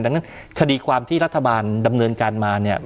ดังนั้นคดีความที่รัฐบาลดำเนินการมาเนี่ย